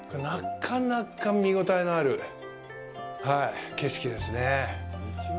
なかなか見応えのある景色ですね。